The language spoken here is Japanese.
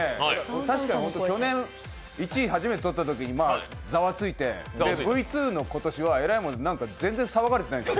確かに去年１位を初めてとったときにざわついて、Ｖ２の今年はえらいもんで全然騒がれてないんです。